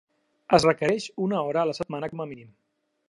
Es requereix una hora a la setmana com a mínim.